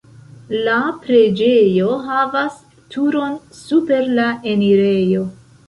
La preĝejo havas turon super la enirejo.